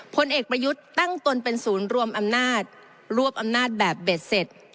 ผลเอกประยุทธ์ตั้งตนเป็นศูนย์รวมอำนาจรวบอำนาจแบบเบ็ดเสร็จ